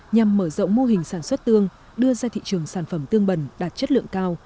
nhằm mở rộng mô hình sản xuất tương đưa ra thị trường sản phẩm tương bần đạt chất lượng cao